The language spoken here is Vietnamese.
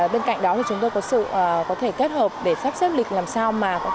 bên cạnh đó thì chúng tôi có sự có thể kết hợp để sắp xếp lịch làm sao mà